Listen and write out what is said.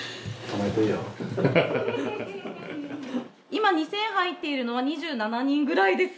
今２，０００入っているのは２７人ぐらいです。